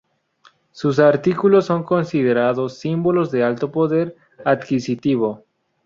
Sus artículos son considerados símbolos de alto poder adquisitivo.